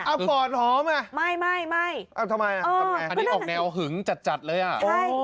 อ้าวฝอดหอมอ่ะอ้าวทำไมอ่ะอันนี้ออกแนวหึงจัดเลยอ่ะโอ้